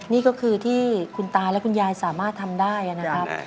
นี่ก็คือที่คุณตาและคุณยายสามารถทำได้นะครับ